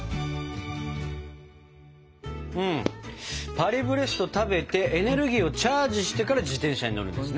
パリブレスト食べてエネルギーをチャージしてから自転車に乗るんですね。